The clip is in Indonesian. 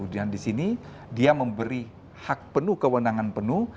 dan di sini dia memberi hak penuh kewenangan penuh